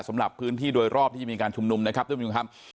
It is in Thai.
สำหรับพื้นที่โดยรอบที่จะมีการชุมนุมนะครับทุกคนค่ะ